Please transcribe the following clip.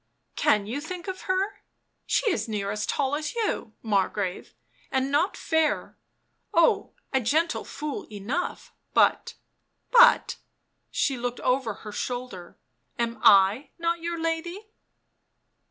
" Can you think of her ? She is near as tall as you, Margrave, and not fair — oh, a gentle fool enough — but — but "— she looked over her shoulder —" am 1 not your lady?"